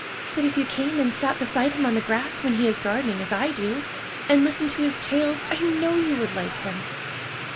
"But if you came and sat beside him on the grass when he is gardening, as I do, and listened to his tales, I know you would like him."